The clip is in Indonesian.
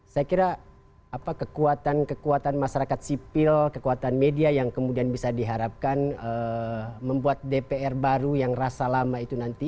saya kira kekuatan kekuatan masyarakat sipil kekuatan media yang kemudian bisa diharapkan membuat dpr baru yang rasa lama itu nanti